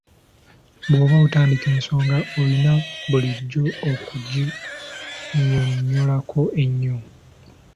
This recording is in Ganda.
Bw'oba otandika ensonga olina bulijjo okuginnyonnyolako ennyo.